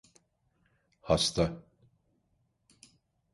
Hasta.